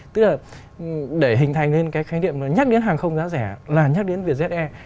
tức là để hình thành nên cái khái niệm mà nhắc đến hàng không giá rẻ là nhắc đến vietjet air